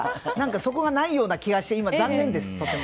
そこがないような気がして残念です。